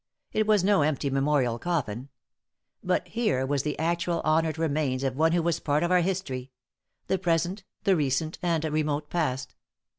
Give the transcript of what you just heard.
It was no empty memorial coffin; but here were the actual honored remains of one who was part of our history the present, the recent, and remote past.